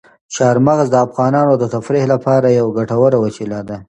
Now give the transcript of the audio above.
چار مغز د افغانانو د تفریح لپاره یوه ګټوره وسیله ده.